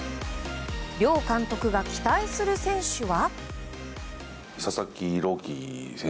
両監督が期待する選手は。